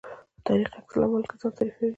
تاریخ عکس العمل کې ځان تعریفوي.